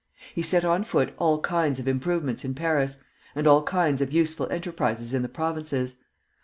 He set on foot all kinds of improvements in Paris, and all kinds of useful enterprises in the provinces.